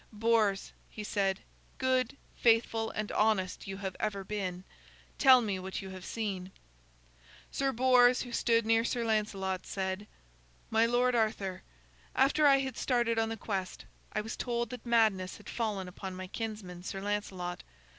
"Bors," he said, "good, faithful, and honest you have ever been. Tell me what you have seen." Sir Bors, who stood near Sir Lancelot, said: "My lord Arthur, after I had started on the quest, I was told that madness had fallen upon my kinsman, Sir Lancelot.